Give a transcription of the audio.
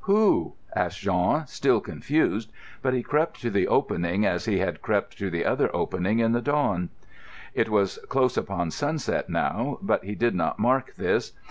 Who?" asked Jean, still confused. But he crept to the opening, as he had crept to the other opening in the dawn. It was close upon sunset now; but he did not mark this.